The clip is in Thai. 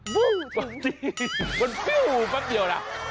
บึ้งมันปิ้วแป๊บเดียวล่ะ